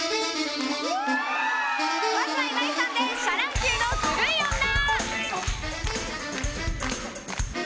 まずは岩井さんでシャ乱Ｑの「ズルい女」。